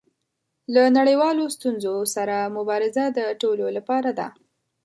له نړیوالو ستونزو سره مبارزه د ټولو لپاره ده.